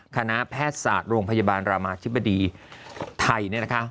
คณะแพทย์ศาสตร์โรงพยาบาลรามาธิบดีไทยเนี่ยนะคะ